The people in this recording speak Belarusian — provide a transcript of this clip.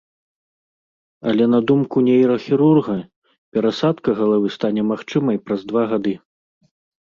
Але на думку нейрахірурга, перасадка галавы стане магчымай праз два гады.